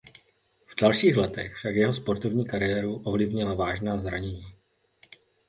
V dalších letech však jeho sportovní kariéru ovlivnila vážná zranění.